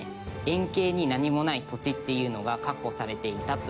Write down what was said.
円形に何もない土地っていうのが確保されていたという事なんです。